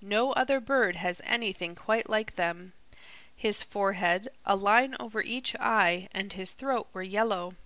No other bird has anything quite like them. His forehead, a line over each eye, and his throat were yellow.